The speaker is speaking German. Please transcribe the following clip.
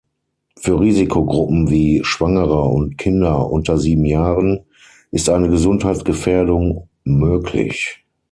Für Risikogruppen wie Schwangere und Kinder unter sieben Jahren ist eine Gesundheitsgefährdung möglich.